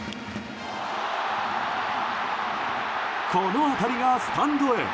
この当たりがスタンドへ！